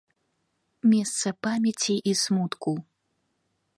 Месца памяці і смутку.